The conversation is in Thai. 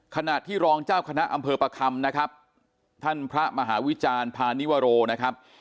ขณะที่รองเจ้าคณะอำเภอประคำนะครับท่านพระมหาวิจารณ์พาณิวโรนะครับ